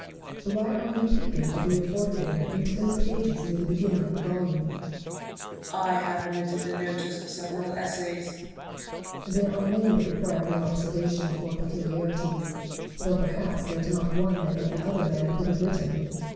Why are you peeping over your forefinger into those pages near the beginning of the volume ? Newton. I have omitted the notice of several Essays. Barrow. There are many that require no observation for peculiarities ; though perhaps there is not one that any other man could have written. Newton.